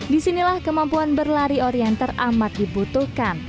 disinilah kemampuan berlari orienter amat dibutuhkan